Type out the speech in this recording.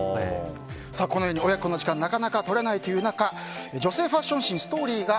このように親子の時間をなかなか取れないという中女性ファッション誌「ＳＴＯＲＹ」が